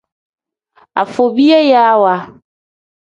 Afobiyayaawa.